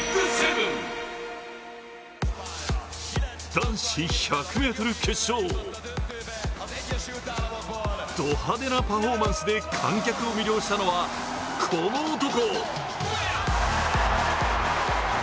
男子１００ｍ決勝、ド派手なパフォーマンスで観客を魅了したのはこの男。